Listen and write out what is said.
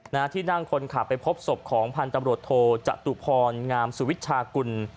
ที่นั่งคนขับไปพบศพของพันธุ์ตำรวจโทจตุพรงามสุวิชากุล